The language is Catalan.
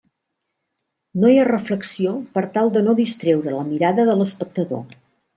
No hi ha reflexió per tal de no distreure la mirada de l'espectador.